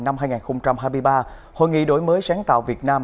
năm hai nghìn hai mươi ba hội nghị đổi mới sáng tạo việt nam